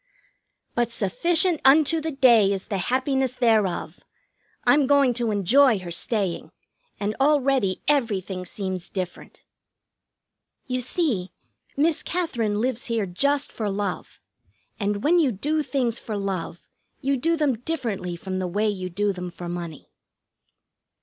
But sufficient unto the day is the happiness thereof! I'm going to enjoy her staying, and already everything seems different. You see, Miss Katherine lives here just for love, and when you do things for love you do them differently from the way you do them for money.